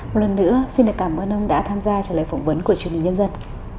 một lần nữa xin cảm ơn ông đã tham gia trả lời phỏng vấn của truyền hình nhân dân